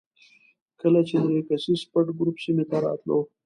کله چې درې کسیز پټ ګروپ سیمې ته راتلو.